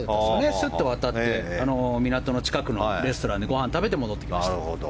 スッと渡って港の近くのレストランでご飯を食べて戻ってきました。